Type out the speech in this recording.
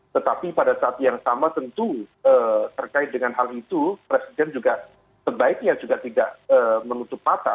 tetapi pada saat yang sama tentu terkait dengan hal itu presiden juga sebaiknya juga tidak menutup mata